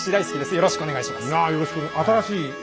よろしくお願いします。